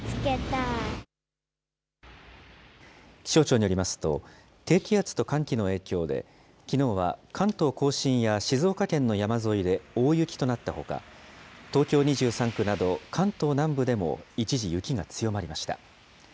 気象庁によりますと、低気圧と寒気の影響で、きのうは関東甲信や静岡県の山沿いで大雪となったほか、東京２３区など関東南部でも一時、雪が強まりました。